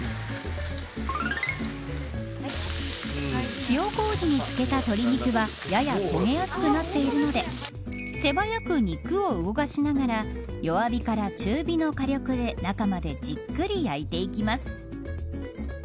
塩こうじにつけた鶏肉はやや焦げやすくなっているので手早く肉を動かしながら弱火から中火の火力で中までじっくり焼いていきます。